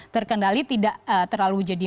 terkendali tidak terlalu jadi